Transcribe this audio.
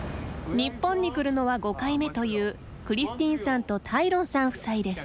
日本に来るのは５回目というクリスティーンさんとタイロンさん夫妻です。